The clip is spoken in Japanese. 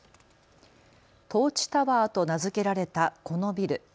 トーチタワーと名付けられたこのビル。